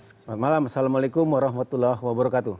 selamat malam assalamualaikum warahmatullahi wabarakatuh